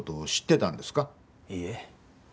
いいえ。